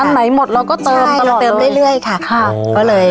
อันไหนหมดเราก็เติมตลอดเลยใช่เราเติมเรื่อยเรื่อยค่ะค่ะก็เลย